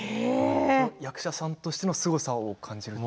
役者さんとしてのすごさを感じると。